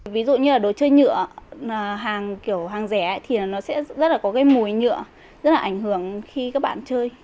ví dụ như là đồ chơi nhựa hàng kiểu hàng rẻ thì nó sẽ rất là có cái mùi nhựa rất là ảnh hưởng khi các bạn chơi